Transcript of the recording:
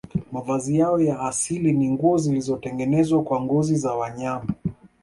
Mavazi yao ya asili ni nguo zilizotengenezwa kwa ngozi za wanyama